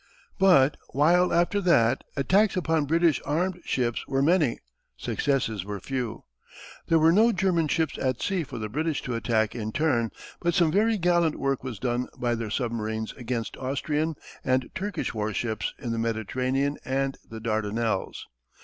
But while after that attacks upon British armed ships were many, successes were few. There were no German ships at sea for the British to attack in turn, but some very gallant work was done by their submarines against Austrian and Turkish warships in the Mediterranean and the Dardanelles.